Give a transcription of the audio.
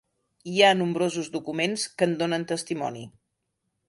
Hi ha nombrosos documents que en donen testimoni.